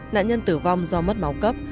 nạn nhân tử vong do mất máu cấp